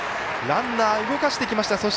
ランナー動かしてきました。